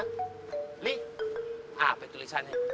nih apa tulisannya